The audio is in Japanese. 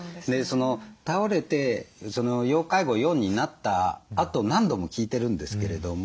倒れて要介護４になったあと何度も聞いてるんですけれども